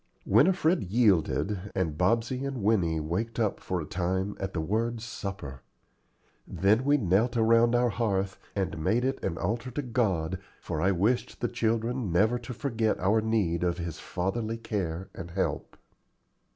Winifred yielded, and Bobsey and Winnie waked up for a time at the word "supper." Then we knelt around our hearth, and made it an altar to God, for I wished the children never to forget our need of His fatherly care and help.